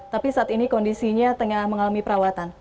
tapi saat ini kondisinya tengah mengalami perawatan